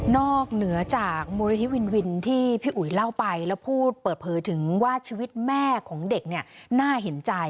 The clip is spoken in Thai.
เหนือจากมูลนิธิวินวินที่พี่อุ๋ยเล่าไปแล้วพูดเปิดเผยถึงว่าชีวิตแม่ของเด็กเนี่ยน่าเห็นใจ